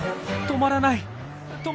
止まらない。